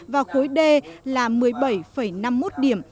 và khối d là một mươi bảy năm mươi một điểm